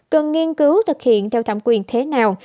cần nghiên cứu thực hiện theo thẩm quyền thế nào